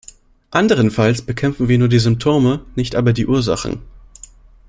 Anderenfalls bekämpfen wir nur die Symptome, nicht aber die Ursachen.